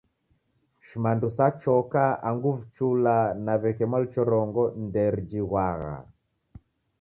Shimandu sa choka angu vichula na w'eke mwaluchorongo nderijighwagha.